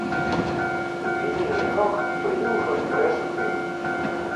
Ступені яе ног былі ўжо спрэс у крыві.